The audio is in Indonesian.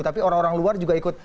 tapi orang orang luar juga ikut